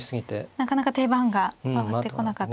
なかなか手番が回ってこなかったですね。